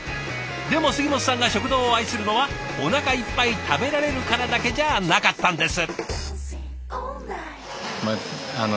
でも杉本さんが食堂を愛するのはおなかいっぱい食べられるからだけじゃなかったんです。